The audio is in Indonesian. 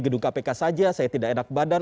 gedung kpk saja saya tidak enak badan